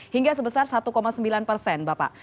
hingga sebesar satu sembilan persen bapak